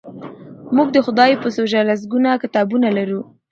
موږ د خدای په سوژه لسګونه کتابونه لرو.